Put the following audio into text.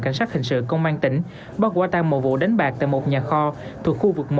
cảnh sát hình sự công an tỉnh bắt quả tan một vụ đánh bạc tại một nhà kho thuộc khu vực một